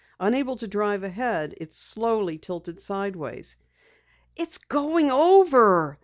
Unable to drive ahead, it slowly tilted sideways. "It's going over!"